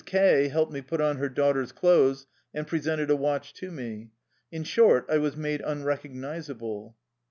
К helped me put on her daughter's clothes, and presented a watch to me. In short, I was made unrecognizable.